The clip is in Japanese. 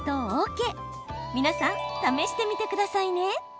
皆さん試してみてくださいね。